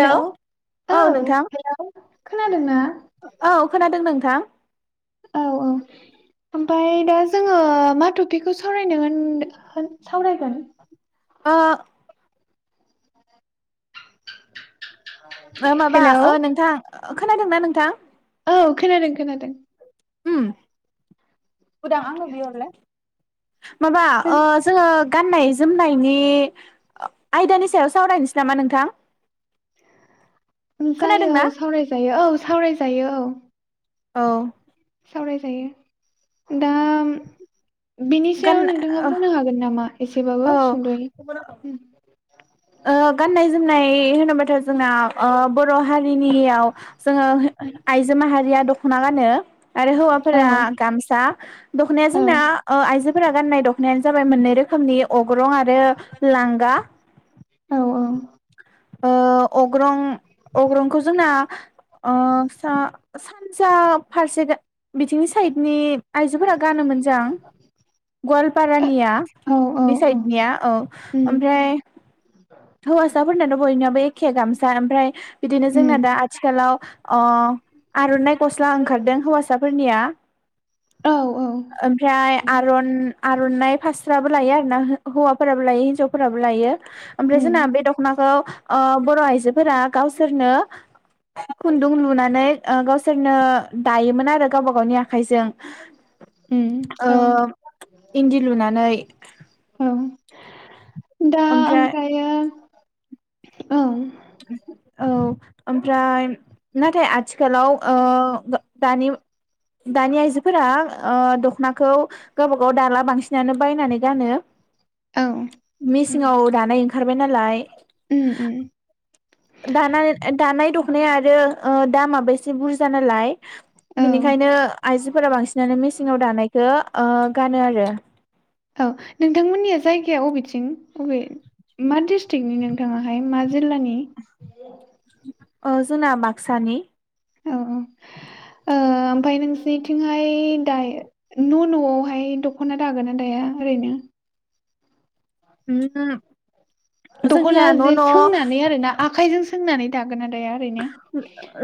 Hello औ hello खोनादोंना औ खोनादों नोंथां औ औ ओमफ्राय दा जोङो मा टपिकखौ सावरायनो होन सावरायगोन ओ ओ माबा हेलौ ओ नोंथां खोनादों ना नोंथां? औ खोनादों खोनादों । उम। उदा आंनो बिहरलाय । माबा जोङो ओ गाननाय जोमनायनि आयदानि सायाव सावरायनोसै नामा नोंथां? जायो खोनादोंना औ सावरायजायो औ। सावरायजायो औ। औ। सावरायजायो दा बिनि सायाव गान नोंथाङा बुंनो हागोन नामा? एसेबाबो संद'यै औ ओ गाननाय जोमनाय होनोबाथ' जोंना बर' हारि नियाव जोंङो आइजो माहारिया द खना गानो। आरो औ हौवाफोरा गामसा। दख'नाया औ जोंना आइजोफोरा गाननाय दखनायानो जाबाय मोननै रोखोमनि अग्रं आरो लांगा। औ औ। ओ अग्रं अग्रंखौ जोंना ओ सा सानजा फारसे बिथिंनि साइडनि आइजोफोरा गानोमोनजां गवालपारानिया औ औ बे औ साइडनिया औ उम ओमफ्राय हौवासाफोरनाथ' बयनियाबबो एखे गामसा ओमफ्राय बिदिनो जोंना उम दा आथिखालाव अ आर'नाय गस्ला ओंखारदों हौवासाफोरनिया औ औ ओमफ्राय आरन आर'नाइ फास्राबो लायो आरो ना हौवाफोराबो लायो हिन्जावफोराबो लायो आमफ्राय उम जोंना बे दखनाखौ ओ बर' आइजोफोरा गावसोरनो खुन्दुं लुनानै ओ गावसोरनो दायोमोन आरो गावबा गावनि आखाइजों उम औ ओ इन्दि लुनानै औ दा ओमफ्राय ओमफ्रायो औ। औ ओमफ्राय नाथाय आथिखालाव ओ दानि दानि आइजोफोरा दख'नाखौ गावबा गाव दाला बांसिनानो बायनानै गानो। उम मिसिंआव दानाय ओं खारबाय नालाय। उम उम दानाय दानाय दुखनाय आरो ओ दामाबो एसे बुरजा नालाय। औ बिनिखायनो आइजोफोरा बांसिनानो मेसिं आव दानायखौ ओ गानो आरो औ नोंथांमोननिया जायगाया अबेथिं अबे मा डिस्ट्रिकनि नोंथाङाहाय मा? जिल्लानि ओ जोंना बाक्सानि । औ औ ओमफफ्राय नोंसिनिथिंहाय दायो न' न'आवहाय दख'ना दागोन ना दाया ओरैनो? [unintelligible] दख'ना जोंनिया न' जे न' सोंनानै आरोना आखायजों सो सोंनानै दा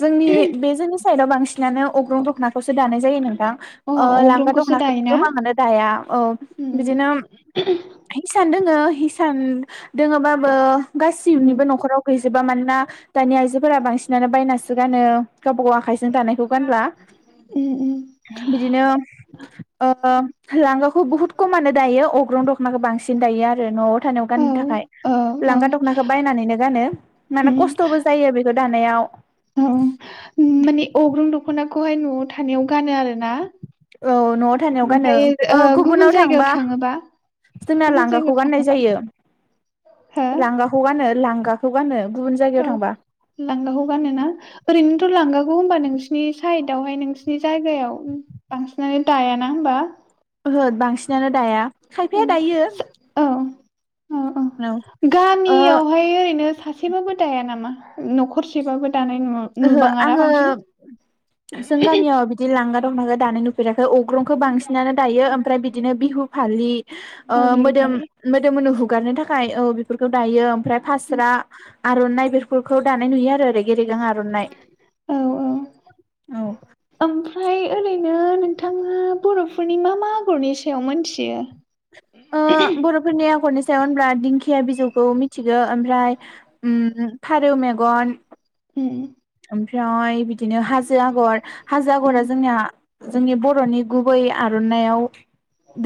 जोंनि बे जोंनि साइडआव बांसिनानो अग्रं दखनाखौसो दानाय जा जायोनो थां अ ओ लांगा अग्रंखौसो दखनाखौ दायोना गोबां आनो दाया ओ उम बिदिनो हिसान दङ। हिसान दोङोबाबो उम गासिबबनिबो न'खराव गैजोब जोबा मानो ना। फोरा बांसिनानो बायनासो गानो गावबा गाव आखायजों दानायखौ गानला उम उम बिदिनो ओ लांगाखौ बुहुद खमानो दायो अग्रं दख'नाखौ बांसिन दायो आरो न'आव। औ थाखाय औ औ लांगा दखनाखौ बायनानैनो गानो माने उम खस्थ'बो जायो बेफ दानायाव औ खौ हाय न'आव थानायाव गानो आरो ना। औ न'आव थानायाव गानो गुबुन गुबुनाव जायगायाव थांबा थाङोबा जोंना गुबुन लांगाखौ जायगायाव गाननाय थाङोबा जायो हो लांगाखौ गानो । गाखौ गानो। गुबुन जायगायाव औ थांबा लांगाखौ गानोना ओरैनोथ' लांगा होनबा नोंसिरनि साइदआवहाय नोंसिरनि जायगायाव बांसिनानो दायाना होमबा। ओहो बांसिनानो दाया खायफाया उम दायो। औ औ औ ओ गामियावहाय ओरैनो सासेबाबो नामा न'खरसेबाबो दानाय नु ओहो नुबाङाना आङो बांसिन जों गामियाव बिदि लांगा दानाय नुफेराखै अग्रंखौ बांसिन नानै दायो ओमफ्राय बिदिनो ओ बिहु फालि ओ औ बिहु मोदोम फालि मोदोम हु हुगारनो थाखाय औ बेफोरखौ दायो ओमफ्राय फास्रा आर'नाइ बेफोरखौ दानाय नुयो आरो रेग रेगां। मोनाय। औ औ औ ओमफ्राय ओरैनो नोंथाङा बर'फोरनि मा मा आगरनि सायाव मोनथियो? ओ बर'फोरनि आगरनि [unintelligible] होनब्ला दिंखिया बिजौखौ मिथिगौ ओमफ्राय ओम फारौ मेगन ओम ओमफ्राय बि [unintelligible] हाजो आग'र हाजो उम आगरा जोंनिया जोंनि बर'नि गुबै आर'नायाव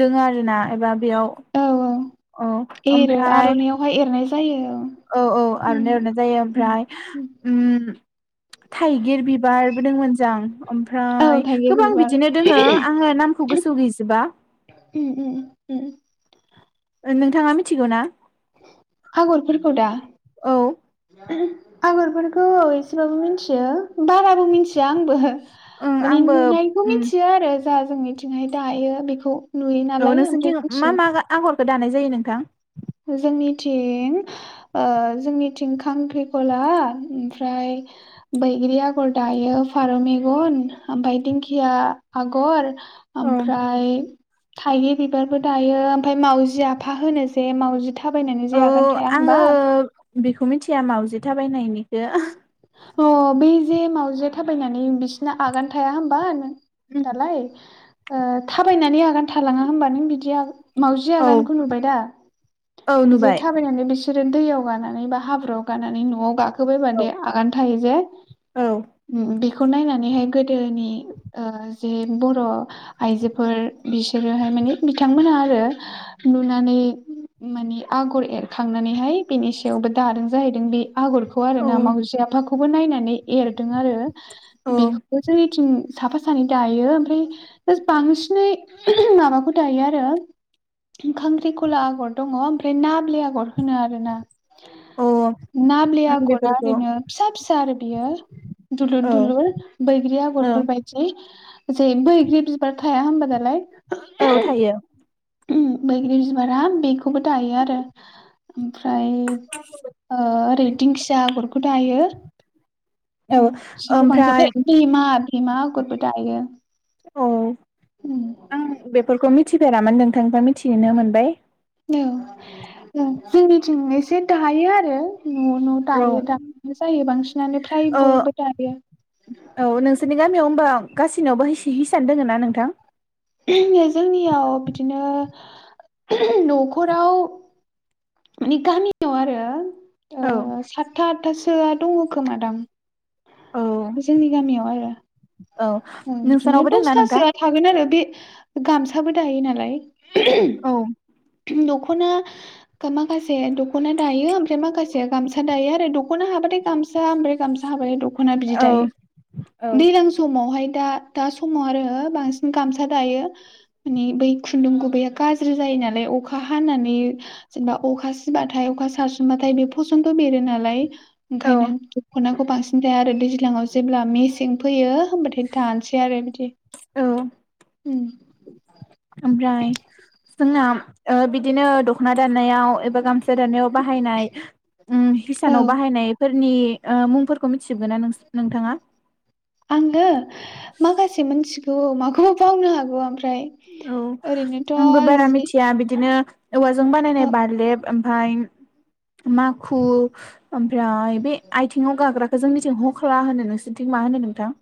दङ आरोना एबा औ औ बेयाव औ एरो ओमफ्राय आर'नाइयावहाय एरनाय जायो औ औ उम आर'नाइ एरनाय जायो उम ओमफ्राय उम थाइगिर बिबारबो दंमोनजां औ ओमफ्राय थाइगिर गोबां बिबार बिदिनो दोङ आङो नामखौ गोसोआव गैजोबा उम उम उम नोंथाङा मिथिगौ ना आगरफोरखौ दा औ [unintelligible] आगरफोरखौ एसेबाबो मिथियो बाराबो मिथि आंबो ओं माने आंबो नुनायखौ उम मिथियो आरो जा जोंनिथिंहाय दायो बेखौ नुयो औ नालाय ओमफ्राय नोंसोरनिथिं मिथियो मा मा आगर गो दानाय जायो नोंथां जोंनिथिं ओ जोंनिथिं खांख्रिखला ओमफ्राय बैग्रि आगर दायो फारौ मेगन ओमफ्राय दिंखिया आगर औ ओमफ्राय थायगिर बिबारबो दायो ओमफ्राय मावजि आफा होनो बे मावजि थां औ आङो बेखौ मिथिया मावजि फिथा थाबायनायनिखो अ बे जे मावजिया थाबायनानै बिसोरना आगान थाया होमबा दालाय ओ थाबायनानै आगान थालाङा होमबा नों बिदि माउजि औ आगानखौ नुबाय दा औ जे नुबाय थाबायनानै बिसोर दैयाव गानानै बा हाब्रुआव गानानै न'आव गाख होबाय मा औ दे आगान थायो जे औ बेखौ नायनानैहाय गोदोनि ओ जे बर' आइजोफोर बिसोरोहाय माने बिथांमोनहा आरो नुनानै माने आगर एरखांनानैहाय बेनि सायावबो दादों जाहैदों बे आगरखौ आरो औ ना मावजि बि आफाखौबो नायनानै एरदों आरो बेखौबो जोंनिथिं साफा सानै दायो ओमफ्राय बांसिनै ओहम माबाखौ दायो आरो खांख्रिखला आगर दङ ओमफ्राय नाल्बि आगर होनो आर ना औ नाल्बि आगरा बेफोरखौ ओरैनो फिसा आरबियो दुलुर औ दुलुर बैग्रि आगरफोर औ बायदि जे बैग्रि बिबार थाया होनबा दालाय औ थायो। उम बैग्रि बिबारा बे बेखौबो दायो आरो ओमफ्राय ओ ओरै दिंखिया आगरखौ दा जायो औ सिखौ ओमफ्राय बांसिन भमा भमा आगरबो दायो औ आं [inaudible] बेफोरखौ मिथिफेरामोन नोंथांनिफ्राय मिथिनो मोनबाय औ जोंनिथिं एसे दायो आरो न' न' औ दायो दानो जायो बांसिनानो फ्राय ओ बयबो दायो औ नोंसोरनि गामियाव होमबा गासैनावबो हि हिसान दङना नोंथां? जोंनियाव बिदिनो न'खराव माने गामिआव आरो [unintelligible] आ औ सातता आतथासो सोआ दङखोमादां औ जोंनि गामियाव आरो औ बिदिनो नोंसानावबो दोंना नोंथां दसथासो थागोन आरो बे गामसाबो दायो नालाय औ [inaudible] दख' दख'ना माखासे दख'ना दायो ओमफ्राय माखासे गामसा दायो आरो दख'ना हाबाथाय गामसा ओमफ्राय गामसा हाबाथाय दख'ना बिदि औ औ दैज्लां समावहाय दा दा समाव आरो बांसिन गामसा दायो बै खुन्दुं गुबैया गाज्रि जायो नालाय अखा हानानै जेनेबा अखा सिबाथाय अखा सारसनबाथाय बे बसनत बेरो नालाय ओंखायनो दख'नाखौ बांसिन दाया आरो दैज्लां जेब्ला मेसें फैयो होमबाथाय दानोसै आरो बिदि औ ओ ओमफ्राय जोंना ओ बिदि बिदिनो दख'ना दा दानायाव एबा गामसा दानायाव बाहायनाय ओ औ हिसानाव बाहायनायफोर नि ओ मुंफोरखौ मिथिजोबो ना नोंथाङा आङो माखासे मोनथिगौ थ' माबखौबा बावनो हागौ आं औ आंबो बारा जि मिथिया बिदिनो औवाजों ओ बानायनाय बारलेब ओमफ्राय माखु ओमफ्राय बे आथिंआव गाग्रा जोंनिथिं हखाला होनो नोंसोरनिथिं मा होनो नोंथां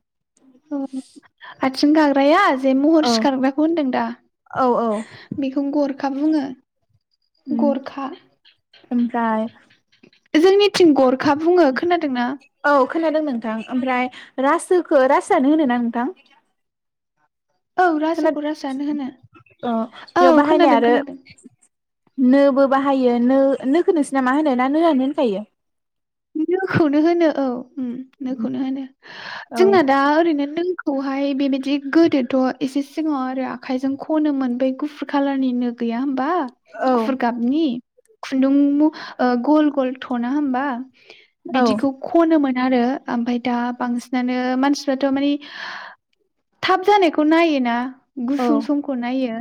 अ आथिं गाग्रााया बे महर औ सिखारग्राखौ होनदों दा औ बेखौ गर गरखा बुङो उम गरखा ओमफ्राय जोंनिथिं गरखा बुङो खोनादोंना औ खोनादों नोंथां ओमफ्राय रासोखौ रासोआनो होनो ना नोंथां औ खोना रासोखौ रासोआनो होनो अ बेयाव औ बाहायनाय खोनादों आरो खोनादों नोबो बाहायो नो नोखौ नोंसोरना मा होनो ना नोआनो होनखायो। बि नोखौनो होनो औ। नोखौनो होनो औ जोंना दा ओरैनो। खौहाय बेबायदि गोदोथ' एसे सिगाङाव आरो आखायजों खनोमोन बै गुफुर खालारनि नो। गैया होमबा औ गुफुर गाबनि। खुन्दुं गल गल। थ'ना होमबा। औ बिदिखौ खन [inaudible] दा बांसिनानो मानसि दाथ' मानि थाब जानायखौ नायोना। गुसुं औ समखौ नायो।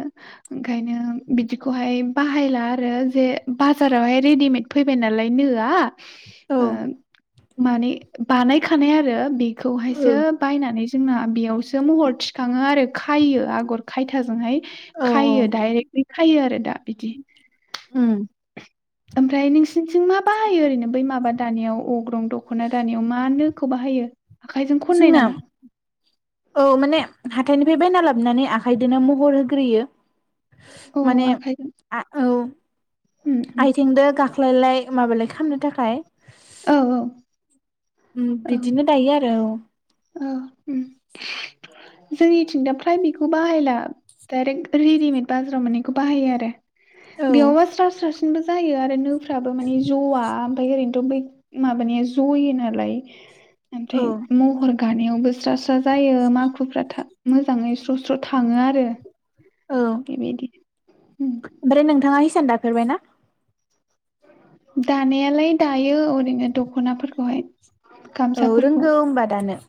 ओंखायनो बिदिखौहाय बाहायला आरो जे बाजारावहाय रेडिमेद फैबाय नालाय नोआ। औ ओं। माने बानायखानाय आरो बे। खौहायसो औ बायनानै। जोंना बेयावसो महर थिखाङो आरो खायो आगर खायथाजोंहाय औ खायो डाइरेक्टलि खायो आरो दा बिदि। उम ओमफ्राय नों बिंथिं मा बाहायो ओरैनो बै माबा। दानियाव अग्रं दख'ना दानायाव मा नोखौ बाहायो? आखाइजों खननाय जोंना नामा? औ माने हाथायनि बायना लाबनानै आखाइजोंनो महर होग्रोयो। औ माने आखाइजों आ औ उम उम आथिंजों गा ख्लायलाय माबालाय खालामनो थाखाय। औ औ। उम औ बिदिनो दायो आरो औ। औ उम जोंनिथिं दा फ्राय बेखौ बाहायला डायरेक्ट रेडिमेड बाजाराव मोनायखौ बाहायो आरो। औ [inaudible] बो जायो आरो नो फ्राबो माने ज'आ ओमफ्राय ओरैनोथ' बै। माबानिया जयो नालाय। औ ओमफ्राय महर। गानायावबो स्रा स्रा जायो माखुफ्रा था मोजाङै स्र' स्र' थाङो आरो औ बेबायदि उम सान्द दाफेरबायना? दानायालाय दायो ओरैनो दख'नाफोरखौहाय औ गामसाफोरखौ रोंगौ होनबा दानो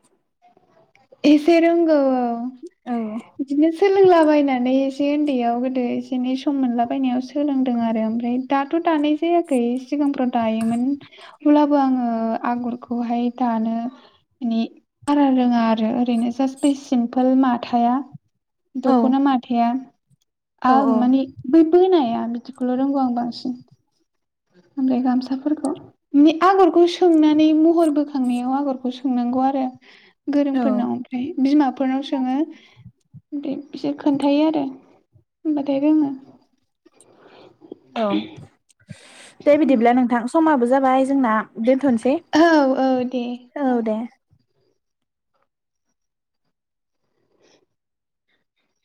एसेे रोंगौ अ अ औ बिदिनो स सोलोंलाबायनानै एसे ओन्दैयाव गोदो एसे एनै सम मोनलाबायनायाव सोलोंदों आरो ओमफ्राय दाथ' दानाय जायाखै सिगांफ्रन दायोमोन अब्लाबो आङो आगरखौहाय दानो माने बारा रोङा आर रो ओरैनो जास्ट बे सिम्पोल माथाया औ दख'ना माथाया औ आं माने बै बोनाया बि दिखौल' रोंगौ आं बांसिन ओमफ्राय गामसाफोरखौ ओम्मे आगरखौ सोंनानै महर बोखांनायाव आगरखौ स सोंनांगौ आरो औ गोरोंफोरनाव ओमफ्राय बिमाफोरनाव सोङो ओमफाय बिसोर खोन्थायो आरो होमबाथाय रोङो औ दे बिदिब्ला नोंथां समाबो जाबाय जोंना दोनथ'नसै औ औ दे औ दे ।